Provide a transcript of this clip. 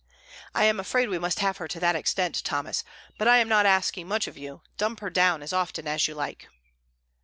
I am afraid we must have her to that extent, Thomas, but I am not asking much of you; dump her down as often as you like."